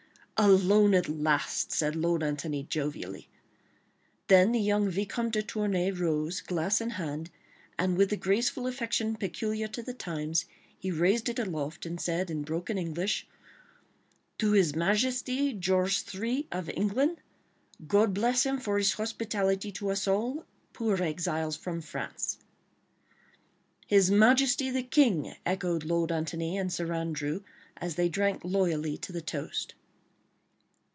"Alone, at last!" said Lord Antony, jovially. Then the young Vicomte de Tournay rose, glass in hand, and with the graceful affectation peculiar to the times, he raised it aloft, and said in broken English,— "To His Majesty George Three of England. God bless him for his hospitality to us all, poor exiles from France." "His Majesty the King!" echoed Lord Antony and Sir Andrew as they drank loyally to the toast.